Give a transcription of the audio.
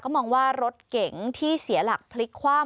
มองว่ารถเก๋งที่เสียหลักพลิกคว่ำ